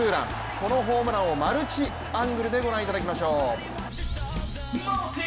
このホームランをマルチアングルでご覧いただきましょう。